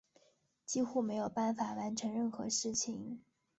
几乎没有办法完成任何事情